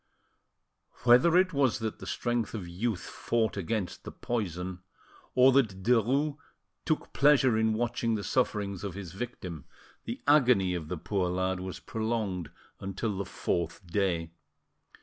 Whether it was that the strength of youth fought against the poison, or that Derues took pleasure in watching the sufferings of his victim, the agony of the poor lad was prolonged until the fourth day.